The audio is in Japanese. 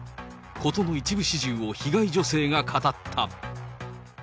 事の一部始終を被害女性が語った。